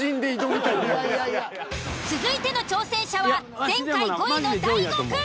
続いての挑戦者は前回５位の大悟くん。